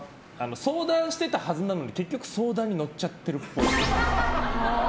相談してたはずなのに結局相談に乗っちゃってるっぽい。